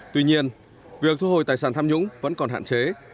tuy nhiên việc thu hồi tài sản tham nhũng vẫn còn hạn chế